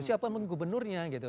siapapun gubernurnya gitu